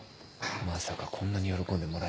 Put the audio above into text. まさかこんなに喜んでもらえるなんて。